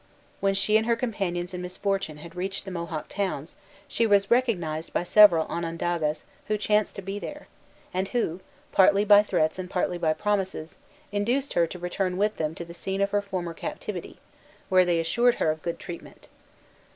When she and her companions in misfortune had reached the Mohawk towns, she was recognized by several Onondagas who chanced to be there, and who, partly by threats and partly by promises, induced her to return with them to the scene of her former captivity, where they assured her of good treatment.